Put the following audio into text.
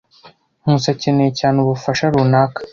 Nkusi akeneye cyane ubufasha runaka.